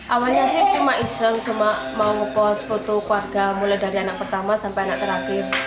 awalnya sih cuma iseng cuma mau post foto keluarga mulai dari anak pertama sampai anak terakhir